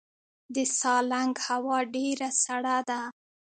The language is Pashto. د سالنګ هوا ډیره سړه ده